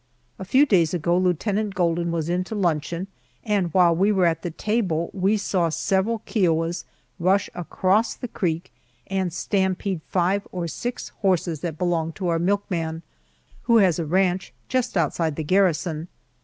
A few days ago Lieutenant Golden was in to luncheon, and while we were at the table we saw several Kiowas rush across the creek and stampede five or six horses that belonged to our milkman, who has a ranch just outside the garrison.